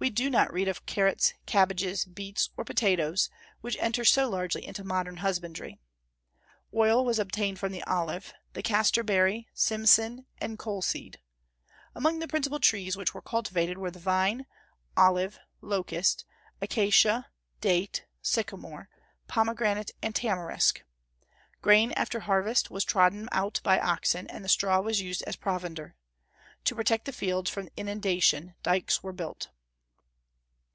We do not read of carrots, cabbages, beets, or potatoes, which enter so largely into modern husbandry. Oil was obtained from the olive, the castor berry, simsin, and coleseed. Among the principal trees which were cultivated were the vine, olive, locust, acacia, date, sycamore, pomegranate, and tamarisk. Grain, after harvest, was trodden out by oxen, and the straw was used as provender. To protect the fields from inundation dykes were built.